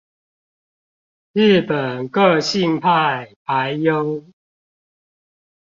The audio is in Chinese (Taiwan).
日本個性派俳優